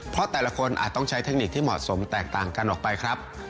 เพราะแต่ละคนอาจต้องใช้เทคนิคที่เหมาะสมแตกต่างกันออกไปครับ